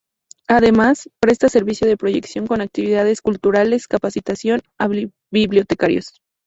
Además, presta servicio de proyección con actividades culturales, capacitación a bibliotecarios.